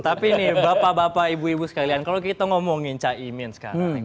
tapi nih bapak bapak ibu ibu sekalian kalau kita ngomongin caimin sekarang